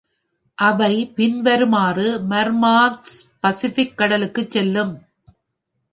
அவை பின் வருமாறு மர்மான்ஸ்க் பசிபிக் கடலுக்குச் செல்லும்.